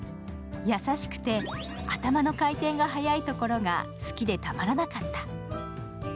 優しくて頭の回転が速いところが好きでたまらなかった。